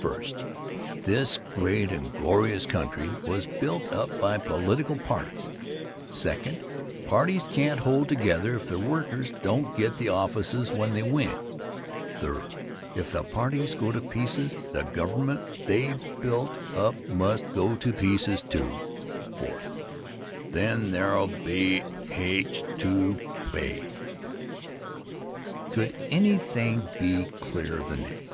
First, this great and glorious country was built up by political parties; second, parties can't hold together if their workers don't get the offices when they win; third, if the parties go to pieces, the government they built up must go to pieces, too; fourth, then there'll be h to pay. Could anything be clearer than that?